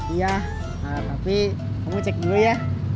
iya tapi kamu cek dulu ya